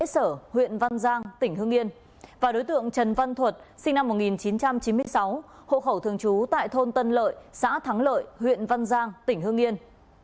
sinh năm một nghìn chín trăm chín mươi sáu hộ khẩu thường trú tại thôn tân lợi xã thắng lợi huyện văn giang tỉnh hương yên